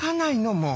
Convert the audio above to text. もう！